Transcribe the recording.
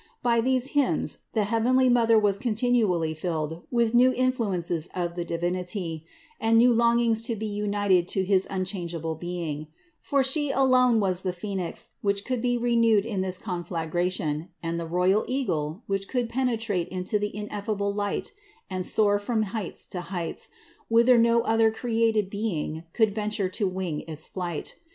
By these hymns the heavenly Mother was continually filled with new influences of the Divinity, and new longings to be united to his unchangeable being; for She alone was the Phenix which could be renewed in this conflagration, and the royal Eagle which could penetrate into the ineffable light and soar from height to heights, whither no other created being could venture to wing its flight.